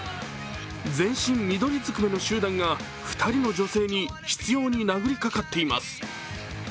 全身緑ずくめの集団が２人の女性に執ように殴りかかっています。